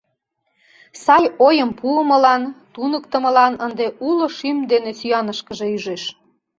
Сай ойым пуымылан, туныктымылан ынде уло шӱм дене сӱанышкыже ӱжеш.